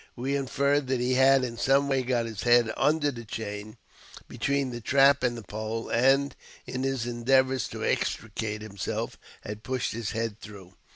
We inferred that he had in some way got his head under the chain, between the trap and the pole, and, in his endeavours to extricate himself, had pushed his head through.